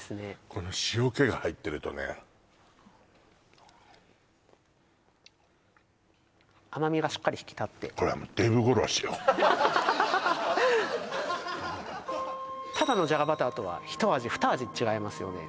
この塩けが入ってるとね甘みがしっかり引き立ってこれはただのじゃがバターとはひと味ふた味違いますよね